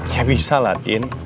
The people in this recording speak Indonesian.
ya bisa lah din